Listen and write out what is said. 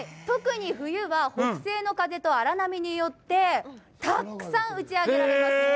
特に冬は北西の風と荒波によって、たくさん打ち上げられます。